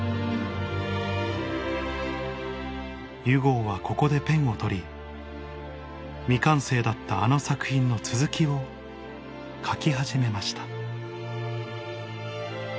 ユゴーはここでペンを取り未完成だったあの作品の続きを書き始めました